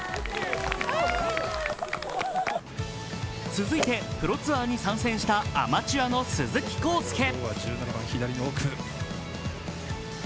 続いてプロツアーに参戦したアマチュアの鈴木こうすけ。